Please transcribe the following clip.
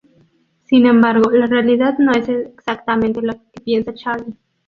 Sin embargo, la realidad no es exactamente la que piensa Charlie.